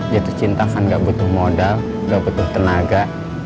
jatuh cinta kan gak butuh modal nggak butuh tenaga